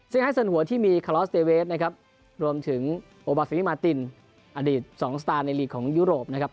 เซงไฮส์เซินหัวที่มีนะครับรวมถึงอดีตสองสตาร์ในของยุโรปนะครับ